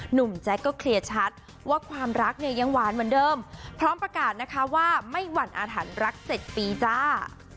แจ๊คก็เคลียร์ชัดว่าความรักเนี่ยยังหวานเหมือนเดิมพร้อมประกาศนะคะว่าไม่หวั่นอาถรรพ์รัก๗ปีจ้า